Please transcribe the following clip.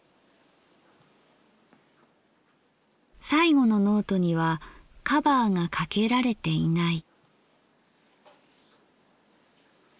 最後のノートにはカバーがかけられていない。